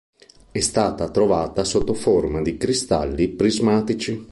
È stata trovata sotto forma di cristalli prismatici.